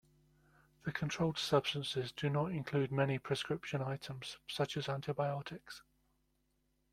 The controlled substances do not include many prescription items such as antibiotics.